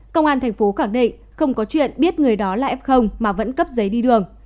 công an thành phố khẳng định không có chuyện biết người đó là f mà vẫn cấp giấy đi đường